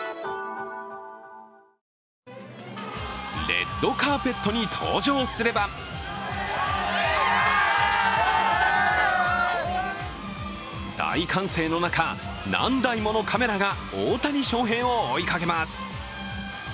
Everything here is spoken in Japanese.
レッドカーペットに登場すれば大歓声の中、何台ものカメラが大谷翔平を追いかけます。